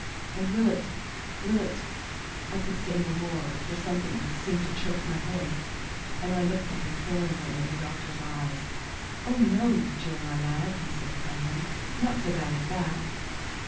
"And will it will it " I could say no more, for something seemed to choke my voice, and I looked up imploringly in the doctor's eyes. "Oh! no, Joe, my lad," he said kindly, "not so bad as that."